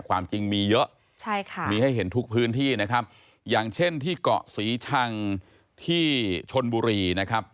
ความจริงมีเยอะใช่ค่ะมีให้เห็นทุกพื้นที่นะครับอย่างเช่นที่เกาะศรีชังที่ชนบุรีนะครับ